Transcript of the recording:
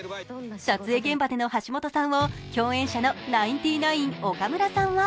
撮影現場での橋下さんを共演者のナインティナイン・岡村さんは